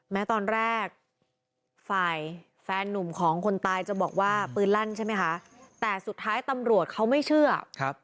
แม้ตอนแรกฝ่ายแฟนนุ่มของคนตายจะบอกว่าปืนลั่นใช่ไหมคะแต่สุดท้ายตำรวจเขาไม่เชื่อ